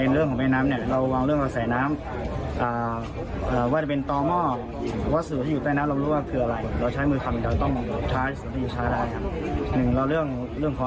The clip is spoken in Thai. เรื่องของอากาศนะครับ